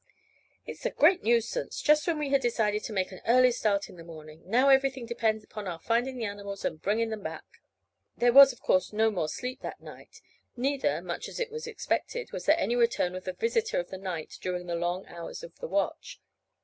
"It's a great nuisance, just when we had decided to make an early start in the morning. Now everything depends upon our finding the animals and bringing them back." There was of course no more sleep that night, neither, much as it was expected, was there any return of the visitor of the night during the long hours of the watch.